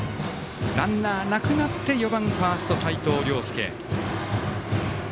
ランナーなくなって、４番ファースト、齋藤綾介。